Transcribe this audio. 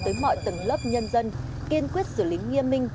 tới mọi tầng lớp nhân dân kiên quyết xử lý nghiêm minh